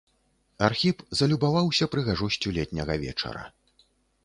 Архіп залюбаваўся прыгажосцю летняга вечара.